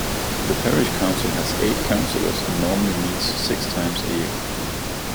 The parish council has eight councillors and normally meets six times a year.